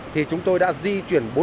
thì chúng tôi đã di chuyển bốn mươi năm hộ